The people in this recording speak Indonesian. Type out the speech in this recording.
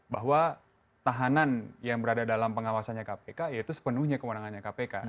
bahwa tahanan yang berada dalam pengawasannya kpk yaitu sepenuhnya kewenangannya kpk